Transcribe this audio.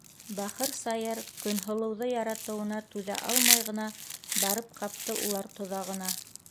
Бахыр Саяр, Көнһылыуҙы яратыуына түҙә алмай ғына барып ҡапты улар тоҙағына!